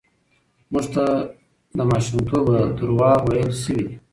موږ ته له ماشومتوبه دروغ ويل شوي دي.